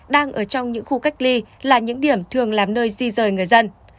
đang ở trong những khu cách ly là những điểm thường làm nơi di rời người dân